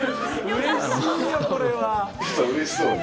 うれしいよこれは。